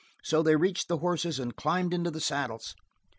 So they reached the horses, and climbed into the saddles.